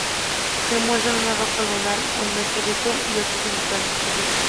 Se muestran una roca lunar, un meteorito y otros ejemplares geológicos.